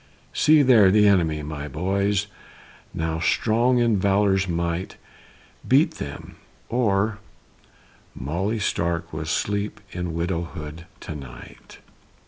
"See there the enemy, my boys! Now strong in valor's might, Beat them, or Molly Stark will sleep In widowhood to night."